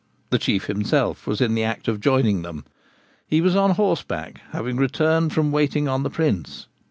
The Chief himself was in the act of joining them. He was on horseback, having returned from waiting on the Prince.